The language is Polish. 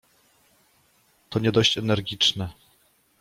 — To nie dość energiczne.